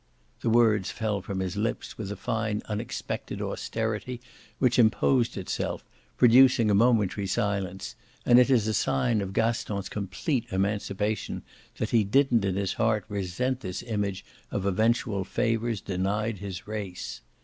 The words fell from his lips with a fine unexpected austerity which imposed itself, producing a momentary silence, and it is a sign of Gaston's complete emancipation that he didn't in his heart resent this image of eventual favours denied his race.